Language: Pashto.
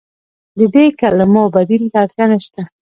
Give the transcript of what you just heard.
د دې کلمو بدیل ته اړتیا نشته.